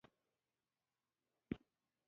د باخبره ټولنې او خلکو روایت او ښېګړه ده.